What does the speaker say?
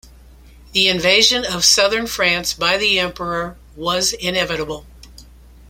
The invasion of southern France by the Emperor was inevitable.